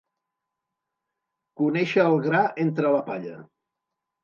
Conèixer el gra entre la palla.